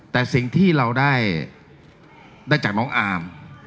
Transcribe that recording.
แต่สิ่งที่เราได้จากน้องอาร์ม